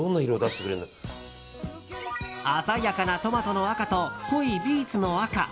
鮮やかなトマトの赤と濃いビーツの赤。